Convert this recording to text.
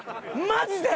マジで。